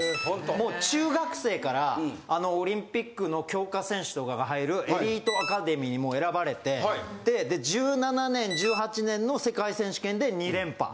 もう中学生からオリンピックの強化選手とかが入るエリートアカデミーも選ばれて１７年・１８年の世界選手権で二連覇。